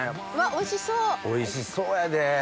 おいしそうやで。